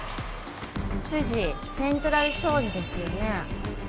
富士セントラル商事ですよね？